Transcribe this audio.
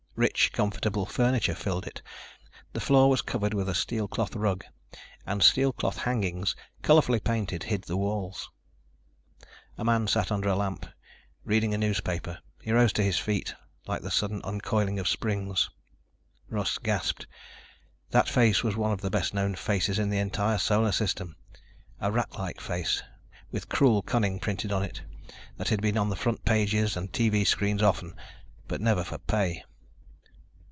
Rich, comfortable furniture filled it. The floor was covered with a steel cloth rug and steel cloth hangings, colorfully painted, hid the walls. A man sat under a lamp, reading a newspaper. He rose to his feet, like the sudden uncoiling of springs. Russ gasped. That face was one of the best known faces in the entire Solar System. A ratlike face, with cruel cunning printed on it that had been on front pages and TV screens often, but never for pay.